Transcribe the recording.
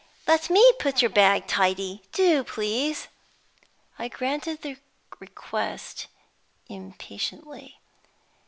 "Let me put your bag tidy. Do, please!" I granted the request impatiently.